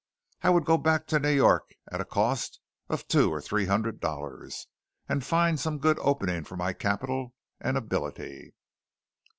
I would go back to New York at a cost of two or three hundred dollars, and find some good opening for my capital and ability.